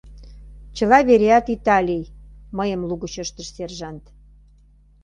— Чыла вереат Италий, — мыйым лугыч ыштыш сержант.